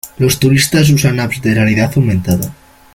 Los turistas usan apps de realidad aumentada.